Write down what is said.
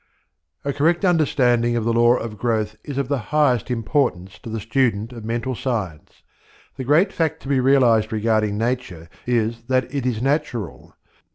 A CORRECT understanding of the law of growth is of the highest importance to the student of Mental Science. The great fact to be realized regarding Nature is that it is natural.